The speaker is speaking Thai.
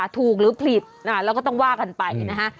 หรือผิดเราก็ต้องว่ากันไปนะฮะ